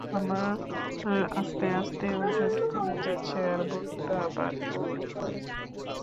আমার আস্তে আস্তে ওজন কমে যাচ্ছে আর বমি ভাব আর বমি হয়।